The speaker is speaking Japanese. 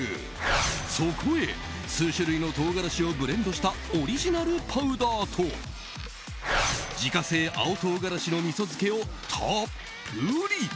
そこへ数種類の唐辛子をブレンドしたオリジナルパウダーと自家製青唐辛子のみそ漬けをたっぷり。